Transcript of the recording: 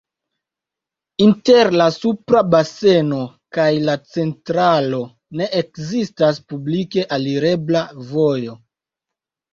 Inter la supra baseno kaj la centralo ne ekzistas publike alirebla vojo.